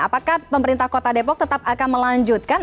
apakah pemerintah kota depok tetap akan melanjutkan